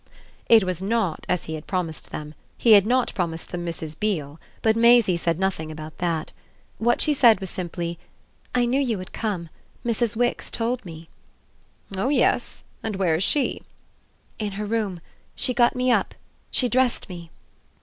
It was not as he had promised them he had not promised them Mrs. Beale; but Maisie said nothing about that. What she said was simply: "I knew you had come. Mrs. Wix told me." "Oh yes. And where is she?" "In her room. She got me up she dressed me."